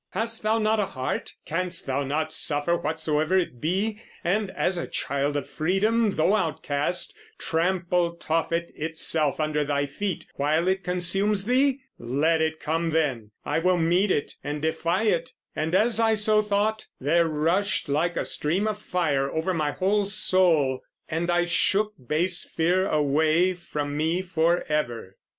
Hast thou not a heart; canst thou not suffer whatsoever it be; and, as a Child of Freedom, though outcast, trample Tophet itself under thy feet, while it consumes thee? Let it come then; I will meet it and defy it!' And as I so thought, there rushed like a stream of fire over my whole soul; and I shook base Fear away from me forever."